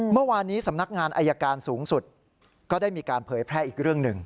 เมื่อวานนี้สำนักงานอายการสูงสุดก็ได้มีการเผยแพร่อีกเรื่องหนึ่ง